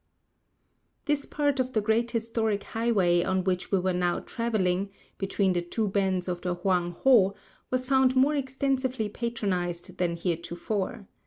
186 Across Asia on a Bicycle This part of the great historic highway on which we were now traveling, between the two bends of the Hoang ho, was found more extensively patronized than heretofore.